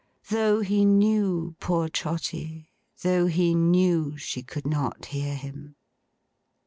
Though he knew, poor Trotty, though he knew she could not hear him.